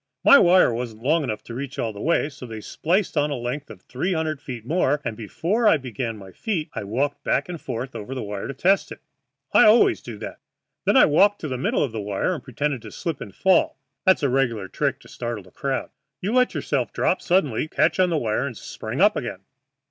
My wire wasn't long enough to reach all the way, so they spliced on a length of three hundred feet more, and before I began my feats I walked back and forth over the wire to test it. I always do that. Then I walked to the middle of the wire and pretended to slip and fall that's a regular trick to startle the crowd. You let yourself drop suddenly, catch on the wire, and spring up again.